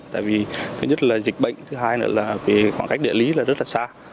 tại vì thứ nhất là dịch bệnh thứ hai là khoảng cách địa lý rất là xa